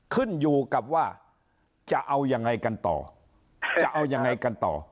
ขึ้นอยู่กับว่าจะเอายังไงกันต่อจะเอายังไงกันต่อ